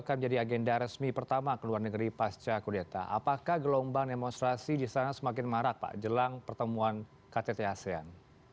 apakah gelombang demonstrasi di sana semakin marak pak jelang pertemuan ktt asean